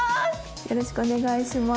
よろしくお願いします